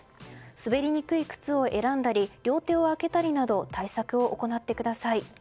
滑りにくい靴を選んだり両手を空けたりなど対策を行ってください。